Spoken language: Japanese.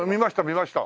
見ました。